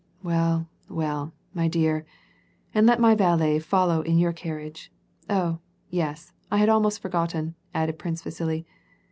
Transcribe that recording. "Well, well, my dear. And let my valet follow in your car riage. Oh, yes, I had almost forgotten," added Prince Vasili.